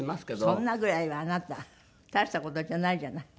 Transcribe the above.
そんなぐらいはあなた大した事じゃないじゃない。